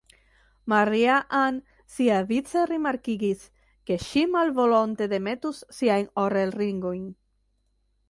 Maria-Ann siavice rimarkigis, ke ŝi malvolonte demetus siajn orelringojn.